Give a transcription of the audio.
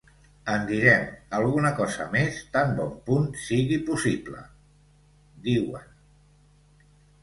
En direm alguna cosa més tan bon punt sigui possible, diuen.